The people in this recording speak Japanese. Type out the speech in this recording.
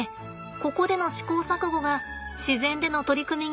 ここでの試行錯誤が自然での取り組みに生かされます。